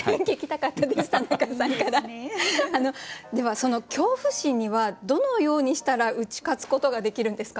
その恐怖心にはどのようにしたら打ち勝つことができるんですか？